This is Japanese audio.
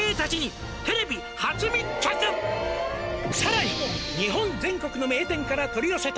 「さらに日本全国の名店から取り寄せた」